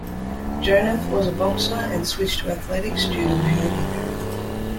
Jonath was a boxer, and switched to athletics due to a hand injury.